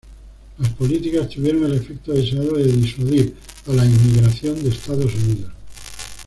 Las políticas tuvieron el efecto deseado de disuadir a la inmigración de Estados Unidos.